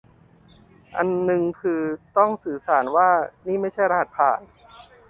อันนึงคือต้องสื่อสารว่านี่ไม่ใช่รหัสผ่าน